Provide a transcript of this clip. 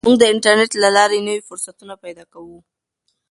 موږ د انټرنیټ له لارې نوي فرصتونه پیدا کوو.